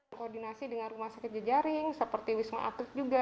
berkoordinasi dengan rumah sakit jejaring seperti wisma atlet juga